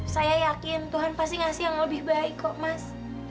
saya yakin tuhan pasti ngasih yang lebih baik kok mas